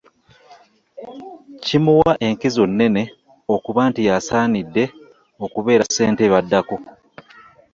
Kimuwa enkizo nnene okuba nti y'asaanidde okubeera Ssentebe addako.